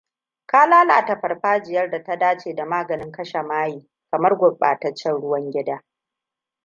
Ka lalata farfajiya ta dace da maganin kashe maye, kamar gurɓataccen ruwan gida.